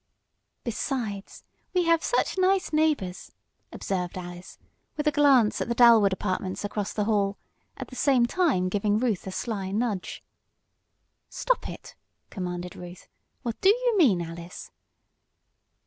"Besides, we have such nice neighbors!" observed Alice, with a glance at the Dalwood apartments across the hall, at the same time giving Ruth a sly nudge. "Stop it!" commanded Ruth. "What do you mean, Alice?"